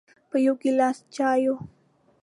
په یو ګیلاس چایو